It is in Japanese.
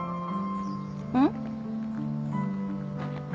うん？